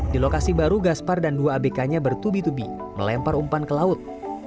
di lokasi baru gaspar dan dua abk nya bertubi tubi melempar umpan ke laut